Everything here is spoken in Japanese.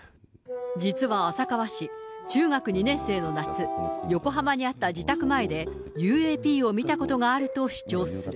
実は浅川氏、中学２年生の夏、横浜にあった自宅前で、ＵＡＰを見たことがあると主張する。